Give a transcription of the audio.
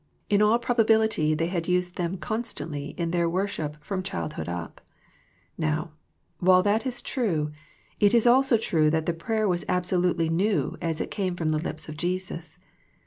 In all probability they had used them constantly in 66 THE PEACTICE OP PEAYER their worship from childhood up. Now, while that is true, it is also true that the prayer was absolutely new as it came from the lips of Jesus.